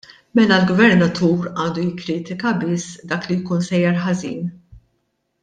Mela l-Gvernatur għandu jikkritika biss dak li jkun sejjer ħażin?